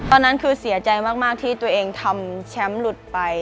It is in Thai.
ตอนนั้นคือเสียใจมากที่ตัวเองทำแชมป์หลุดไป